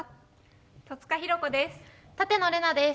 戸塚寛子です。